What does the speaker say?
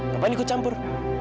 bapak ini aku campur